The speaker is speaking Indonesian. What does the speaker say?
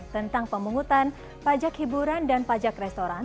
tentang pemungutan pajak hiburan dan pajak restoran